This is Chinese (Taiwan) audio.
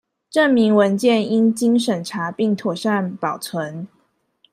證明文件應經審查並妥善保存